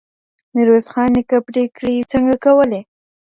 ميرويس خان نيکه پرېکړې څنګه کولي؟